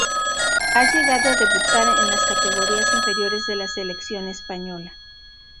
Ha llegado a debutar en las categorías inferiores de la selección española.